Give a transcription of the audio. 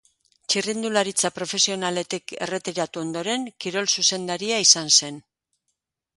Txirrindularitza profesionaletik erretiratu ondoren kirol zuzendari izan zen.